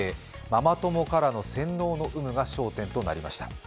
ママ友からの洗脳の有無が焦点となりました。